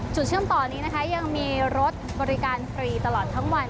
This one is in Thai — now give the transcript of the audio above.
เชื่อมต่อนี้นะคะยังมีรถบริการฟรีตลอดทั้งวัน